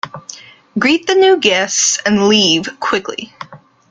Greet the new guests and leave quickly.